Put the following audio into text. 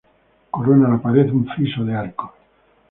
Corona la pared un friso de arcos.